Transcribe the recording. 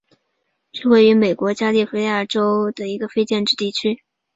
隆斯塔是位于美国加利福尼亚州弗雷斯诺县的一个非建制地区。